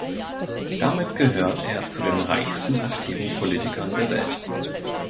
Damit gehört er zu den reichsten aktiven Politikern der Welt.